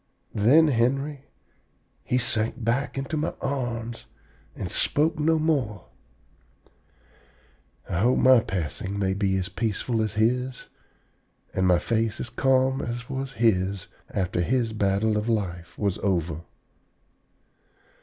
Then, Henry, he sank back into my arms and spoke no more. I hope my passing may be as peaceful as his, and my face as calm as was his after his battle of life was over.